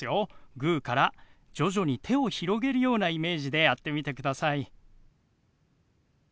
グーから徐々に手を広げるようなイメージでやってみてください。